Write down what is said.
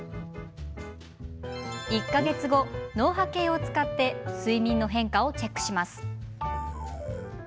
１か月後、脳波計を使って睡眠の変化をチェックします。